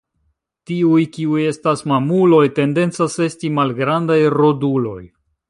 Tiuj kiuj estas mamuloj tendencas esti malgrandaj roduloj.